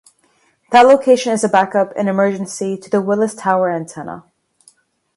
That location is a back-up, in emergency, to the Willis Tower antenna.